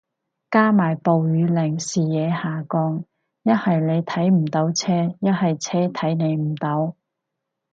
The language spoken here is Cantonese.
加埋暴雨令視野下降，一係你睇唔到車，一係車睇你唔到